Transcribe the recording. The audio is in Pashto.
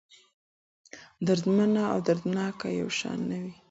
دردمنه او دردناکه يو شان نه دي.